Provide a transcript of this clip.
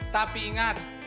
tapi ingat ya